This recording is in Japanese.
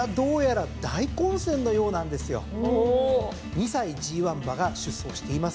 ２歳ＧⅠ馬が出走していません。